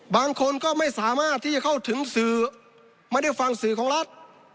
บางคนก็ไม่สามารถที่จะเข้าถึงสื่อไม่ได้ฟังสื่อของรัฐ